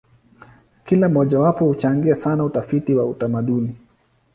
Kila mojawapo huchangia sana utafiti wa utamaduni.